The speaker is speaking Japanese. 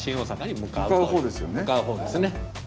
向かう方ですね。